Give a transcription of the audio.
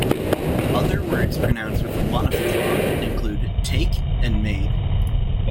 Other words pronounced with a monophthong include: take and made.